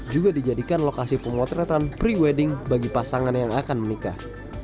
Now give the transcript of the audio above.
juga dijadikan lokasi pemotretan pre wedding bagi pasangan yang akan menikah